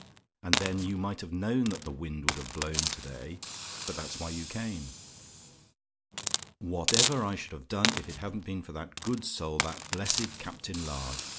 And then you might have known that the wind would have blown to day; but that's why you came. "Whatever I should have done if it hadn't been for that good soul that blessed Captain Large!